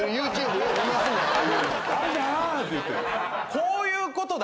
こういうことだ。